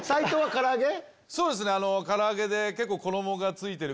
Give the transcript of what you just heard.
そうですね。